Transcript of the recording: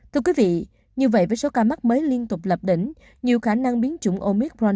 thưa quý vị như vậy với số ca mắc mới liên tục lập đỉnh nhiều khả năng biến chủng omicron